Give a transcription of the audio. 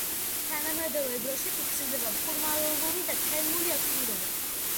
თანამედროვე დროში ფიქსირდება ფუმაროლური და თერმული აქტიურობა.